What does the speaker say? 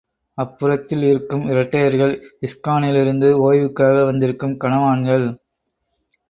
அப்புறத்தில் இருக்கும் இரட்டையர்கள் இஸ்கானிலிருந்து ஓய்வுக்காக வந்திருக்கும் கனவான்கள்.